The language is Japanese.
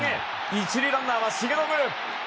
１塁ランナーは重信！